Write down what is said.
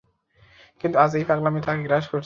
কিন্তু আজ এই পাগলামি তাকে গ্রাস করেছে।